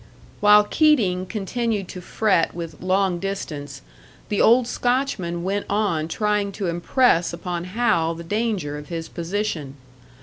While Keating continued to fret with "long distance," the old Scotchman went on trying to impress upon Hal the danger of his position.